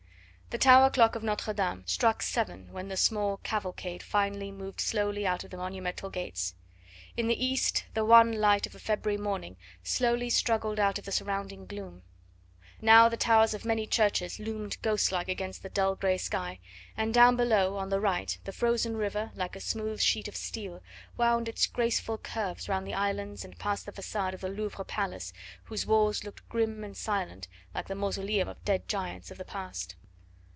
The tower clock of Notre Dame struck seven when the small cavalcade finally moved slowly out of the monumental gates. In the east the wan light of a February morning slowly struggled out of the surrounding gloom. Now the towers of many churches loomed ghostlike against the dull grey sky, and down below, on the right, the frozen river, like a smooth sheet of steel, wound its graceful curves round the islands and past the facade of the Louvres palace, whose walls looked grim and silent, like the mausoleum of the dead giants of the past.